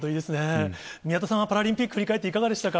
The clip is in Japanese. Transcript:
宮田さんはパラリンピック、振り返っていかがでしたか。